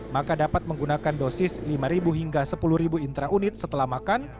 maka dapat menggunakan dosis lima hingga sepuluh intraunit setelah makan